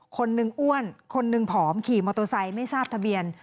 คนหนึ่งอ้วนคนหนึ่งผอมขี่มอเตอร์ไซค์ไม่ทราบทะเบียน